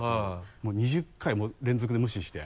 もう２０回連続で無視して。